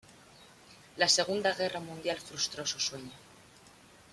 La Segunda Guerra Mundial frustró su sueño.